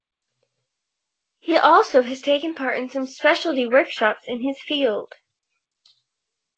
He also has taken part in some specialty workshops in his field.